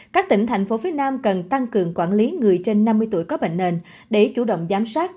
các tỉnh thành phố phía nam cần tăng cường quản lý người trên năm mươi tuổi có bệnh nền để chủ động giám sát